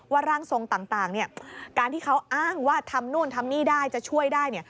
ร่างทรงต่างการที่เขาอ้างว่าทำนู่นทำนี่ได้จะช่วยได้